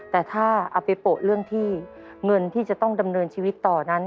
แต่ถ้าเอาไปโปะเรื่องที่เงินที่จะต้องดำเนินชีวิตต่อนั้น